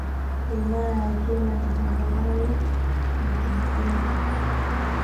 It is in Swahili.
Wilaya ya Kyela ni Tambarale na kuna Joto